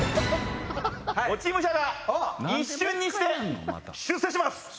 落ち武者が一瞬にして出世します。